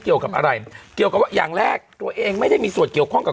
เกี่ยวกับอะไรเกี่ยวกับว่าอย่างแรกตัวเองไม่ได้มีส่วนเกี่ยวข้องกับ